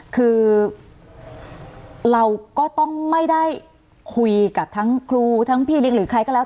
คือเราก็ต้องไม่ได้คุยกับทั้งครูทั้งพี่เลี้ยงหรือใครก็แล้ว